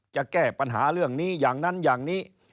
จะแก้ปัญหาเรื่องนี้อย่างนั้นอย่างนี้